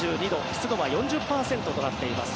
湿度は４０％となっています。